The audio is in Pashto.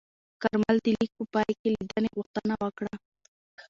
کارمل د لیک په پای کې لیدنې غوښتنه وکړه.